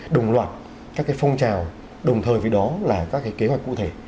đồng loạt các cái phong trào đồng thời với đó là các cái kế hoạch cụ thể